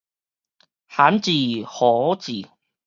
含之糊之